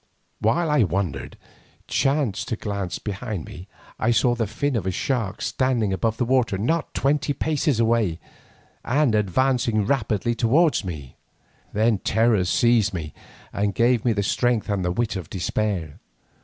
While I wondered, chancing to glance behind me, I saw the fin of a shark standing above the water not twenty paces away, and advancing rapidly towards me. Then terror seized me and gave me strength and the wit of despair.